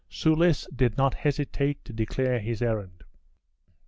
Soulis did not hesitate to declare his errand.